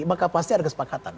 maka pasti ada kesepakatan